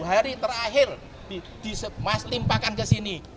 hari terakhir di maslimpakan ke sini